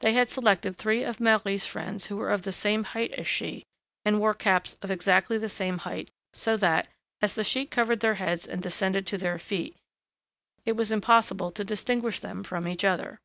They had selected three of Marie's friends who were of the same height as she, and wore caps of exactly the same height, so that, as the sheet covered their heads and descended to their feet, it was impossible to distinguish them from each other.